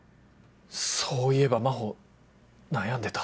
そういえば真帆悩んでた。